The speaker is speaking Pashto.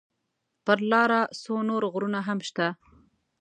پر لاره څو نور غرونه هم شته.